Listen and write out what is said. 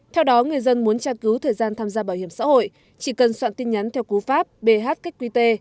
theo đó người dân muốn tra cứu thời gian tham gia bảo hiểm xã hội chỉ cần soạn tin nhắn theo cú pháp bh qqt